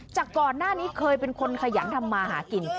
จากก่อนหน้านี้เคยเป็นคนขยันทำมาหากิน